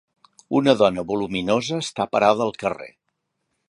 una dona voluminosa està parada al carrer